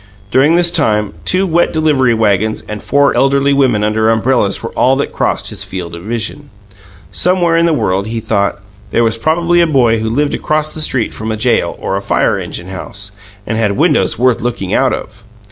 During this time two wet delivery wagons and four elderly women under umbrellas were all that crossed his field of vision. Somewhere in the world, he thought, there was probably a boy who lived across the street from a jail or a fire engine house, and had windows worth looking out of.